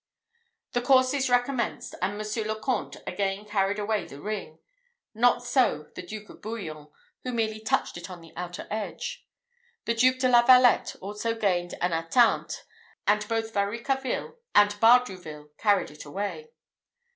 The courses recommenced, and Monsieur le Comte again carried away the ring: not so the Duke of Bouillon, who merely touched it on the outer edge. The Duke de la Valette also gained an atteinte; and both Varicarville and Bardouville carried it away.